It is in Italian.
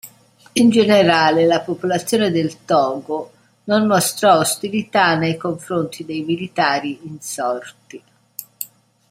In generale, la popolazione del Togo non mostrò ostilità nei confronti dei militari insorti.